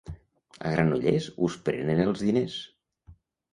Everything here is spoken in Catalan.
A Granollers us prenen els diners.